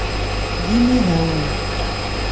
D imihawen.